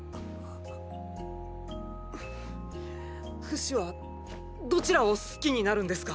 フシはどちらを好きになるんですか？